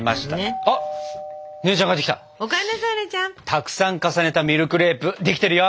たくさん重ねたミルクレープできてるよ！